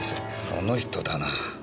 その人だな。